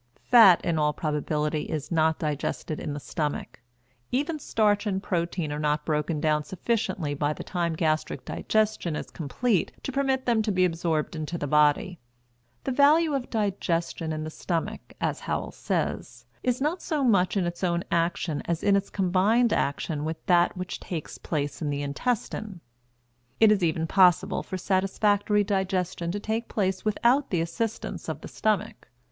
Fat in all probability is not digested in the stomach; even starch and protein are not broken down sufficiently by the time gastric digestion is complete to permit them to be absorbed into the body. "The value of digestion in the stomach," as Howell says, "is not so much in its own action as in its combined action with that which takes place in the intestine." It is even possible for satisfactory digestion to take place without the assistance of the stomach.